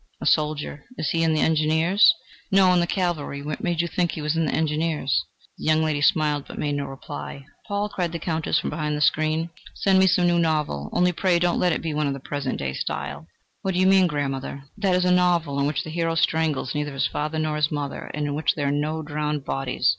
"A soldier." "Is he in the Engineers?" "No, in the Cavalry. What made you think that he was in the Engineers?" The young lady smiled, but made no reply. "Paul," cried the Countess from behind the screen, "send me some new novel, only pray don't let it be one of the present day style." "What do you mean, grandmother?" "That is, a novel, in which the hero strangles neither his father nor his mother, and in which there are no drowned bodies.